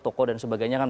toko dan sebagainya kan